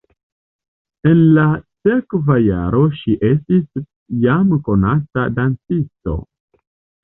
En la sekva jaro ŝi estis jam konata dancisto.